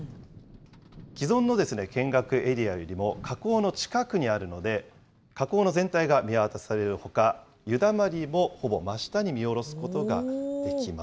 既存の見学エリアよりも火口の近くにあるので、火口の全体が見渡されるほか、湯だまりもほぼ真下に見下ろすことができます。